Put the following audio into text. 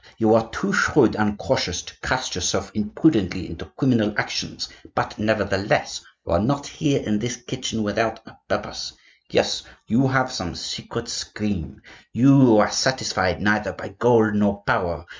You are too shrewd and cautious to cast yourselves imprudently into criminal actions; but, nevertheless, you are not here in this kitchen without a purpose. Yes, you have some secret scheme, you who are satisfied neither by gold nor power.